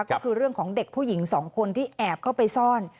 ก็คือเรื่องของเด็กผู้หญิงสองคนที่แอบเข้าไปซ่อน